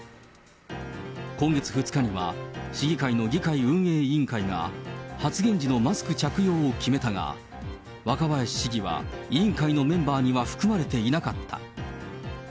今月２日には、市議会の議会運営委員会が発言時のマスク着用を決めたが、若林市議は委員会のメンバーには含まれていなかった。